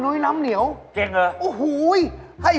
เขามาหรือ